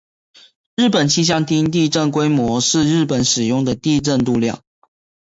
日本气象厅地震规模是日本使用的地震度量。